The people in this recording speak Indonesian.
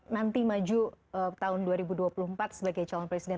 nanti maju tahun dua ribu dua puluh empat sebagai calon presiden